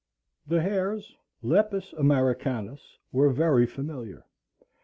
The hares (Lepus Americanus) were very familiar.